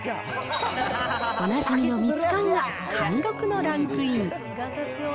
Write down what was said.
おなじみのミツカンが貫禄のランクイン。